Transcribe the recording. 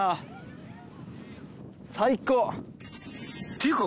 ていうか